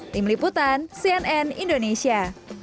tim liputan cnn indonesia